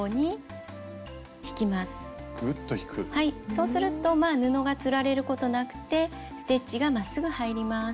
そうするとまあ布がつられることなくてステッチがまっすぐ入ります。